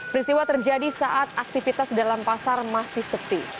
peristiwa terjadi saat aktivitas dalam pasar masih seti